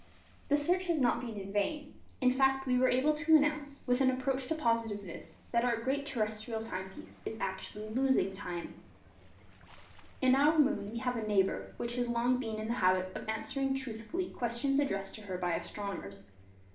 The search has not been in vain. In fact, we are able to announce, with an approach to positiveness, that our great terrestrial time piece is actually losing time. In our moon we have a neighbour which has long been in the habit of answering truthfully questions addressed to her by astronomers.